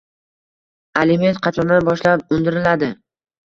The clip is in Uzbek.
Aliment qachondan boshlab undiriladi?